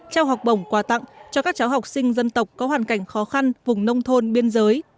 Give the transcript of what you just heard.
trao học bổng quà tặng cho các cháu học sinh dân tộc có hoàn cảnh khó khăn vùng nông thôn biên giới